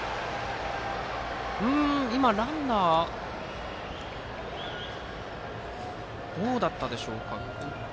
今、ランナーはどうなったんでしょうか。